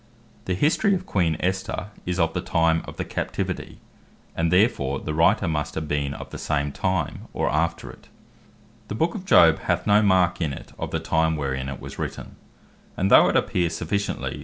Esther The History of Queen Esther is of the time of the Captivity; and therefore the Writer must have been of the same time, or after it. Job The Book of Job hath no mark in it of the time wherein it was written: and though it appear sufficiently (Exekiel 14.14, and James 5.11.)